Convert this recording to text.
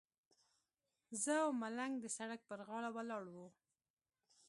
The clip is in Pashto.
زه او ملنګ د سړک پر غاړه ولاړ وو.